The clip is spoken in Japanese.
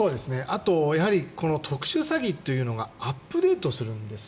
あとは特殊詐欺というのがアップデートするんです。